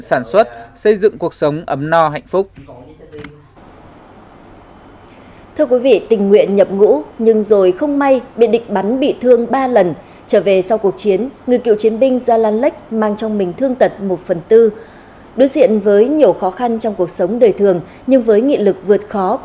sản xuất xây dựng cuộc sống ấm no hạnh phúc